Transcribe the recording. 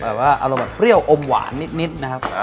แบบว่าเอาไปแบบเฟรี่ยวอมหวานนิดนะครับ